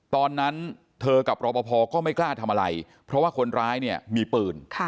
ตอนนั้นเธอกับรอปภก็ไม่กล้าทำอะไรเพราะว่าคนร้ายเนี่ยมีปืน